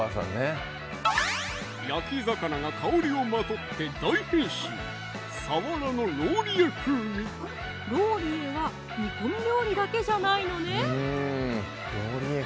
焼き魚が香りをまとって大変身ローリエは煮込み料理だけじゃないのね